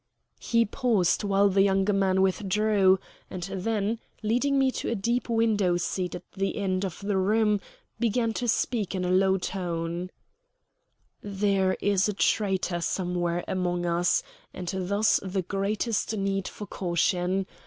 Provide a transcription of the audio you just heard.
He paused while the younger man withdrew, and then, leading me to a deep window seat at the end of the room, began to speak in a low tone: "There is a traitor somewhere among us, and thus the greatest need for caution.